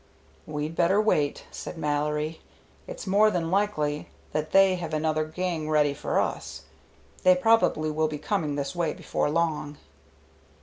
"We'd better wait," said Mallory. "It's more than likely that they have another gang ready for us. They probably will be coming this way before long."